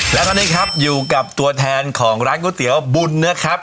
และตอนนี้ครับอยู่กับตัวแทนของร้านก๋วยเตี๋ยวบุญนะครับ